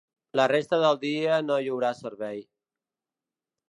La resta del dia no hi haurà servei.